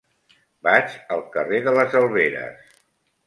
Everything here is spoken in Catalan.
Vaig al carrer de les Alberes.